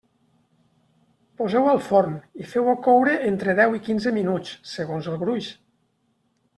Poseu-ho al forn i feu-ho coure entre deu i quinze minuts, segons el gruix.